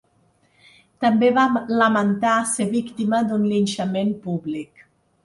També va lamentar ser víctima d’un ‘linxament públic’.